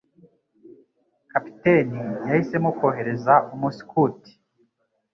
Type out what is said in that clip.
Kapiteni yahisemo kohereza umuskuti.